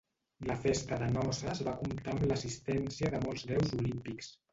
La festa de noces va comptar amb l'assistència de molts déus olímpics.